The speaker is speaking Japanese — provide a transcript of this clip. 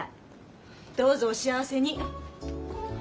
どうぞお幸せに。